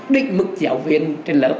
định mức giáo viên trên lớp